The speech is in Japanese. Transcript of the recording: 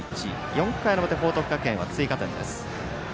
４回の表、報徳学園は追加点です。